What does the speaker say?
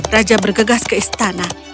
raja bergegas ke istana